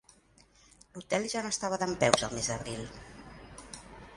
L'hotel ja no estava dempeus al mes d'abril.